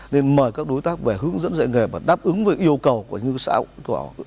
nên mời các đối tác về hướng dẫn dạy nghề và đáp ứng với yêu cầu của những xã